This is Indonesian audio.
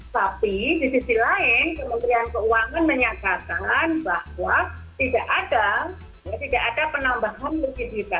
tapi di sisi lain kementerian keuangan menyatakan bahwa tidak ada penambahan lebih bisa